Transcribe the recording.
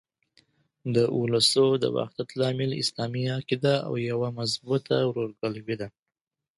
د اولسو د وحدت لامل اسلامي عقیده او یوه مضبوطه ورورګلوي ده.